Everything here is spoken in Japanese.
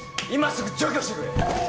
今すぐ除去してくれ。